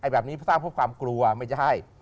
แบบนี้สร้างเพราะความกลัวไม่ใช่